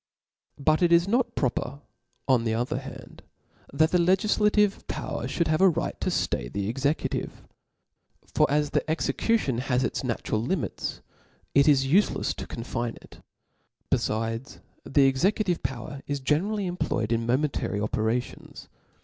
But it is not proper, on the other hand, that the legillative power (hould have a right to flay the executive. For as the execution has its natural limits, it is uielefs to confine it ; befides, the exe* cutive power is generally employed in momentary operations.